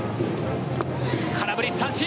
空振り三振。